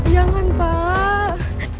ya kan pak